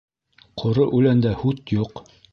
Ҡоро үләндә һут юҡ